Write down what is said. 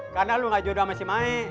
karena lo gak jodoh sama si mae